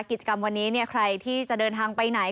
กิจกรรมวันนี้ใครที่จะเดินทางไปไหน